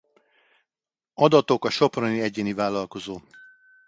Adatok a soproni ev.